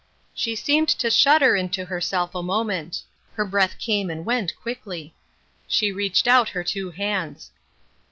She seemed to shudder into herself a moment. Her breath came and went quickly. She reached out her two hands.